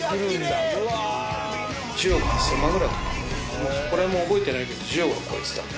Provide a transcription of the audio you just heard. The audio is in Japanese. もうそこら辺も覚えてないけど１０億は超えてたね